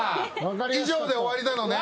以上で終わりなのねん。